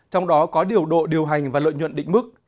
trong đó có điều độ điều hành và lợi nhuận định mức